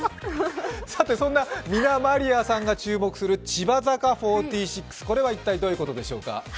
そんなみな、まりあさんが注目する千葉坂４６、これは一体、どういうことでしょうか。